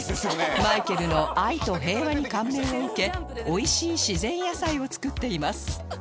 マイケルの愛と平和に感銘を受け美味しい自然野菜を作っています